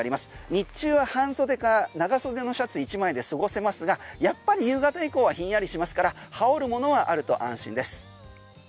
日中は半袖か長袖のシャツ１枚で過ごせますがやっぱり夕方以降はひんやりしますから羽織るものはあると安心です。